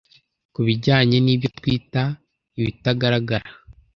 kubijyanye nibyo twita ibitagaragara